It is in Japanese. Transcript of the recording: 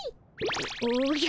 おおじゃ。